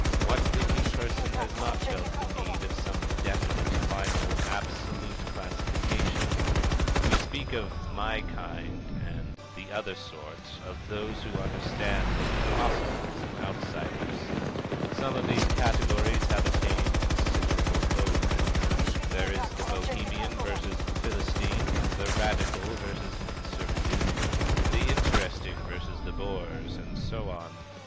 What thinking person has not felt the need of some definite, final, absolute classification? We speak of "my kind" and "the other sort," of Those who Understand, of Impossibles, and Outsiders. Some of these categories have attained considerable vogue. There is the Bohemian versus the Philistine, the Radical versus the Conservative, the Interesting versus the Bores, and so on.